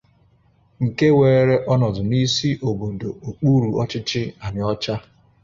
nke weere ọnọdụ n'isi obodo okpuru ọchịchị Anaọcha